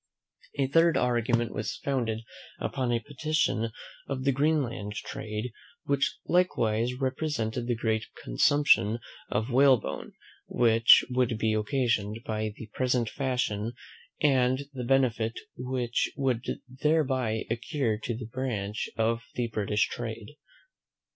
A third argument was founded upon a petition of the Greenland trade, which likewise represented the great consumption of whalebone which would be occasioned by the present fashion, and the benefit which would thereby accrue to that branch of the British trade.